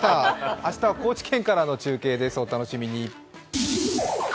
明日は高知県からの中継です、お楽しみに。